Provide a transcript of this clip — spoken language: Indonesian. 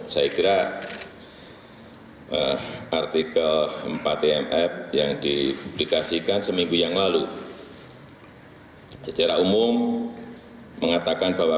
saya kira artikel empat tmf yang dipublikasikan seminggu yang lalu secara umum mengatakan bahwa